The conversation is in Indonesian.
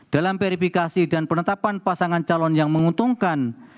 dalam verifikasi dan penetapan pasangan calon yang menguntungkan